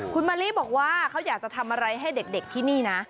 คุณมะลิบอกว่าเขาอยากจะทำอะไรให้เด็กที่นี่นะ